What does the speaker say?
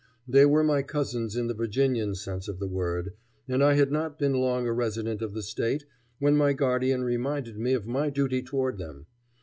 They were my cousins in the Virginian sense of the word, and I had not been long a resident of the State when my guardian reminded me of my duty toward them.